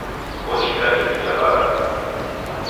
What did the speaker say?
Ochika indi ja bara.